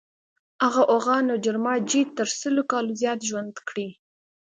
هغه اوغان او جرما چې تر سلو کالو زیات ژوند کړی.